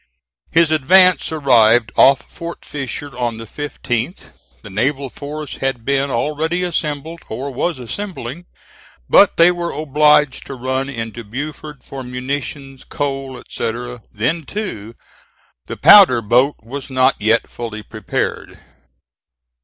His advance arrived off Fort Fisher on the 15th. The naval force had been already assembled, or was assembling, but they were obliged to run into Beaufort for munitions, coal, etc.; then, too, the powder boat was not yet fully prepared.